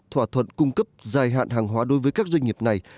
thỏa thuận cung cấp dài hạn hàng hóa đối với các doanh nghiệp này